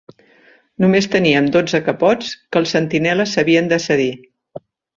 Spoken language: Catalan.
Només teníem dotze capots, que els sentinelles s'havien de cedir